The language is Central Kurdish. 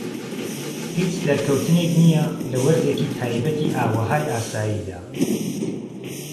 هیچ دەرکەوتنێک نیە لە وەرزێکی تایبەتی ئاوهەوای ئاساییدا.